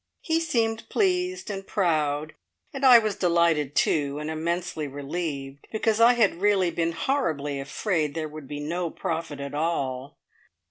He seemed pleased and proud, and I was delighted, too, and immensely relieved, because I had really been horribly afraid there would be no profit at all!